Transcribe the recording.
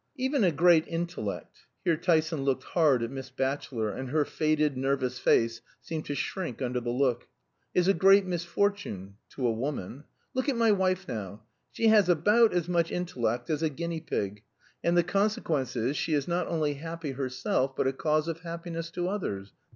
"Even a great intellect" here Tyson looked hard at Miss Batchelor, and her faded nervous face seemed to shrink under the look "is a great misfortune to a woman. Look at my wife now. She has about as much intellect as a guinea pig, and the consequence is she is not only happy herself, but a cause of happiness to others.